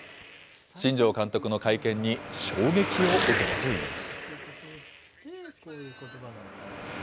新庄監督の会見に衝撃を受けたといいます。